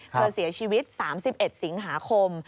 เธอเสียชีวิต๓๑สิงหาคม